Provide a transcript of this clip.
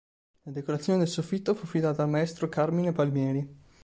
La decorazione del soffitto fu affidata al maestro Carmine Palmieri.